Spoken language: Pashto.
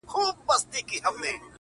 دا څنګه چل دی د ژړا او د خندا لوري؟